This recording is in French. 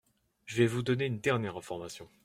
Je vais vous donner une dernière information.